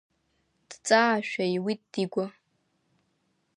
Дҵаашәа иуит Дигәа.